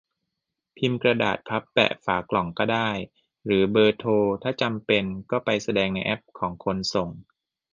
พิมพ์กระดาษพับแปะฝากล่องก็ได้ หรือเบอร์โทร ถ้าจำเป็น ? ! ก็ไปแสดงในแอปของคนส่ง